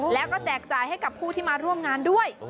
แล้วก็แจกจ่ายให้กับผู้ที่มาร่วมงานด้วย